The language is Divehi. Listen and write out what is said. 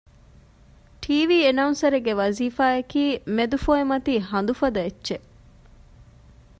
ޓީވީ އެނައުންސަރެއްގެ ވަޒީފާއަކީ މެދުފޮއިމަތީ ހަނދު ފަދަ އެއްޗެއް